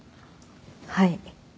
はい。